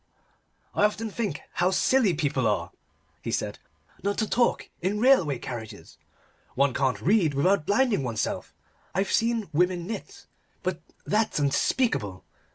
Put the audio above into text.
"I often think how silly people are," he said, "not to talk in railway carriages. One can't read without blinding oneself. I've seen women knit, but that's unspeakable.